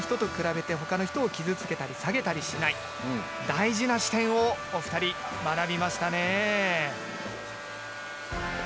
大事な視点をお二人学びましたね。